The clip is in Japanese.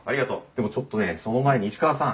でもちょっとねその前に石川さん